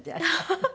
ハハハ。